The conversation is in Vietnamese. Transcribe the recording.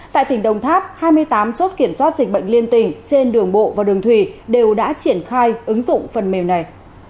tại tỉnh đồng tháp hai mươi tám chốt kiểm soát dịch bệnh liên tình trên đường bộ và đường thủy đều đã triển khai ứng dụng phần mềm này